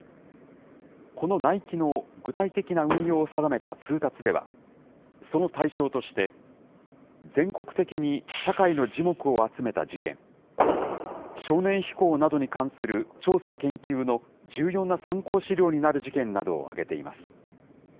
この内規の具体的な運用を定めた通達では、その対象として、全国的に社会の耳目を集めた事件、少年非行などに関する調査研究の重要な参考資料になる事件などを挙げています。